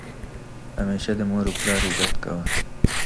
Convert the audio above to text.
همیشه د مور او پلار عزت کوه!